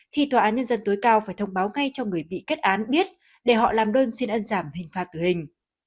thì tòa án nhân dân tối cao phải thông báo ngay cho người bị kết án biết để họ làm đơn xin ân giảm hình phạt tử hình